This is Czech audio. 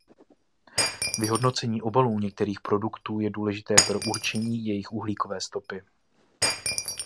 Vyhodnocení obalů některých produktů je důležité pro určení jejich uhlíkové stopy.